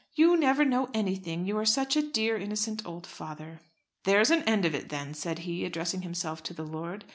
"You never know anything, you are such a dear, innocent old father." "There's an end of it then," said he, addressing himself to the lord.